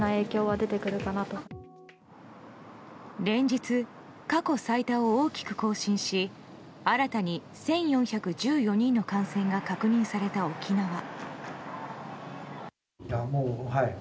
連日、過去最多を大きく更新し新たに１４１４人の感染が確認された沖縄。